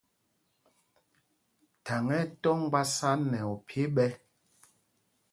Thaŋ ɛ́ ɛ́ tɔ́ mgbásá nɛ ophyē ɓɛ̄.